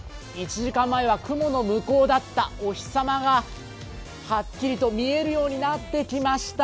１時間前は雲の向こうだったお日様がはっきりと見えるようになってきました。